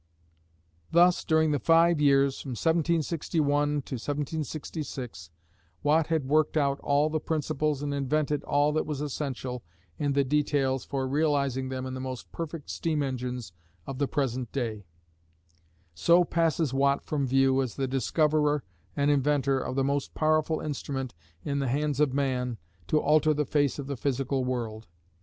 Thus during the five years from 1761 66 Watt had worked out all the principles and invented all that was essential in the details for realising them in the most perfect steam engines of the present day. So passes Watt from view as the discoverer and inventor of the "most powerful instrument in the hands of man to alter the face of the physical world."